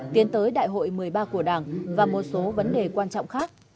tiến tới đại hội một mươi ba của đảng và một số vấn đề quan trọng khác